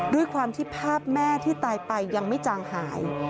ด้วยความที่ภาพแม่ที่ตายไปยังไม่จางหาย